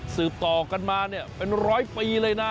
ต่อกันมาเป็นร้อยปีเลยนะ